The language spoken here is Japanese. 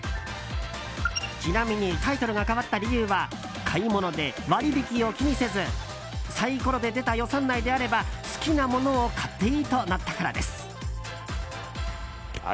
ちなみにタイトルが変わった理由は買い物で割引を気にせずサイコロで出た予算内であれば好きなものを買っていいとなったからです。